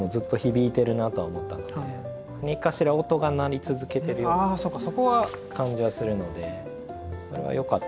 何かしら音が鳴り続けてるような感じはするのでそれはよかった。